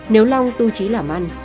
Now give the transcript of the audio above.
nếu long tu trí làm ăn